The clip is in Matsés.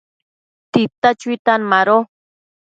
tita chuitan mado